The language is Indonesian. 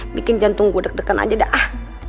bikin jantung gua deg degan aja dah